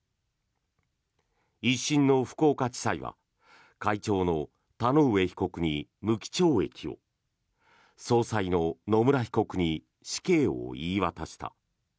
１審の福岡地裁は会長の田上被告に無期懲役を総裁の野村被告に死刑を言い渡した。